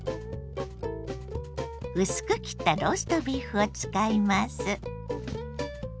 薄く切ったローストビーフを使います。